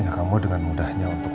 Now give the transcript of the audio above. gua harus ngelakuin sesuatu